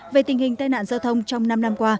về tình hình tai nạn giao thông trong năm năm qua